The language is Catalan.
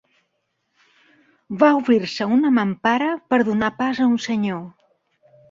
Va obrir-se una mampara per a donar pas a un senyor